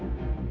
masa yang baik